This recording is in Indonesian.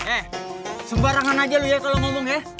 eh sembarangan aja loh ya kalau ngomong ya